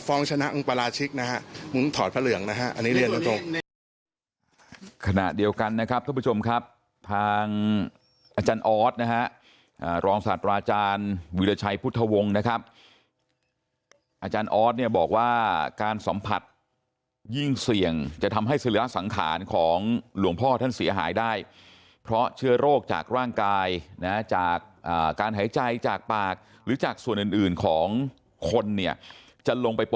ฟ้องชนะอังปราชิกนะฮะมึงถอดพระเหลืองนะฮะอันนี้เรียนตรง